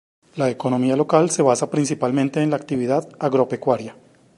La economía local se basa principalmente en la actividad agropecuaria.